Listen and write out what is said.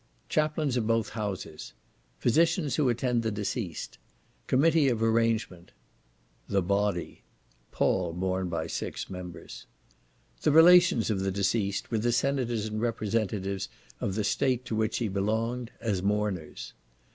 Chaplains of both Houses. Physicians who attend the deceased. Committee of arrangement. THE BODY, (Pall borne by six members.) The Relations of the deceased, with the Senators and Representatives of the State to which he belonged, as Mourners.